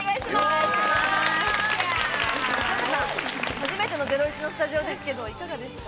初めての『ゼロイチ』のスタジオですけれどいかがですか？